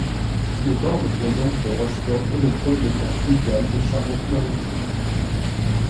Le port de plaisance de Rochefort est le premier port fluvial de Charente-Maritime.